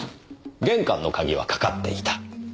玄関の鍵は掛かっていた。